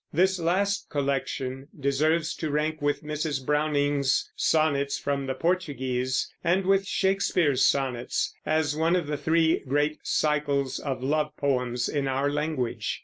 This last collection deserves to rank with Mrs. Browning's Sonnets from the Portuguese and with Shakespeare's Sonnets, as one of the three great cycles of love poems in our language.